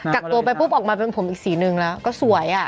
กักตัวไปปุ๊บออกมาเป็นผมอีกสีหนึ่งแล้วก็สวย